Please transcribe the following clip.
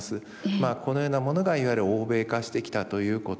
まあこのようなものがいわゆる欧米化してきたということ。